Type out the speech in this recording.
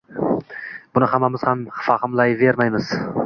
Buni hammamiz ham fahmlayvermaymiz